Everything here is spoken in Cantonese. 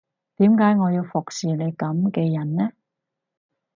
點解我要服侍你噉嘅人呢